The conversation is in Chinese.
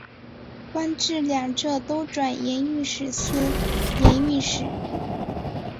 官至两浙都转盐运使司盐运使。